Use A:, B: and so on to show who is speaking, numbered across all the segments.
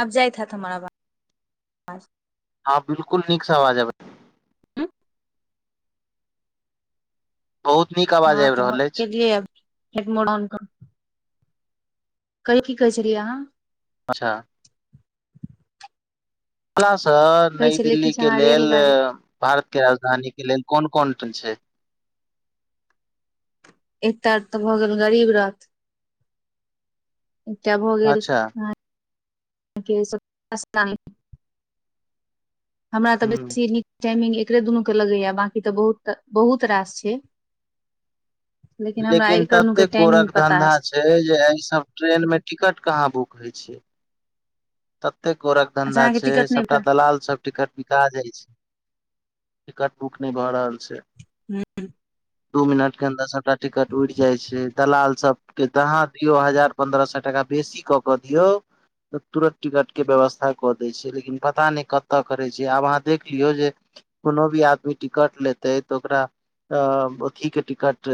A: आब जाइथा हेथ हमर अबाज
B: हँ बिलकुल नीक से आवाज अबै बहुत नीक आवाज
A: हँ
B: आबि
A: तऽ हम
B: रहल
A: क
B: अछि
A: लि अभ हेड मोड ऑन कर कहियो कि कहै छलियै आहाँ
B: अच्छह [unintelligible] स
A: कहै
B: नई
A: छलियै
B: दिल्ली
A: किछु
B: के
A: अहाँ
B: लेल
A: रेलगाड़ी
B: भारत के राजधानी के लेल कोन कोन टण छै
A: एकतर तऽ भऽ गेल गरीब रथ एकटा भऽ गेल
B: अच्छा
A: हँ [unintelligible] हमरा तऽ
B: ह
A: बेसी नीक टाइमिग एकरे दुनू लगे य बकि त बहुत रास छै हमरा
B: लेकिन
A: एकर दुनू के
B: ततेक
A: टाइमिंग
B: गोरक
A: पता
B: धन्धा
A: अछि
B: छै जे एहिसभ ट्रेनमे टिकट कहाँ बुक होय छै एते गोरक
A: अच्छा
B: धंधा
A: अहाँके
B: छै
A: टिकट नहि
B: सबटा
A: भेटल
B: दलाल सब टिकट बिका जाय छै टिकट बुक नहि भऽ रहल छै
A: हू
B: दू मिनट के अन्दर सबटा टिकट उइर जाइ छै दलाल सबके जहाँ दू यो हजार पन्द्रह सौ टाका बेसी कऽ कऽ दियऔ तुरत टिकट के व्यवस्था कऽ दै छै लेकिन पता नहि कतऽ करै छै आब अहाँ देख लियौ जे कोनो भी आदमी टिकट लेतेै तऽ ओकरा अ की के ticket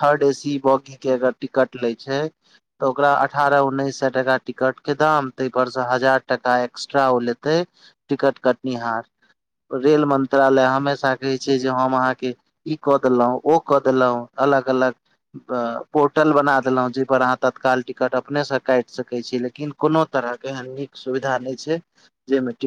B: third A C bogie के अगर टिकट लैइ छै त ओकरा अठारह उन्नैस सै टका टिकट के दाम ताहिप पर से हजार टाका एक्स्ट्रा ओ लेतै टिकट कटनिहार रेल मंत्रालय हमेशा कहैत छै जे हम अहाँके ई कऽ देलहुँ ओ कऽ देलहुँ अलग अलग पोर्टल बना देलहुँ जाहिपर अहाँ तत्काल टिकट अपनेसँ काइट सकैत छी लेकिन कोनो तरह के एहन नीक सुविधा नहि छै जाहिमे टिकट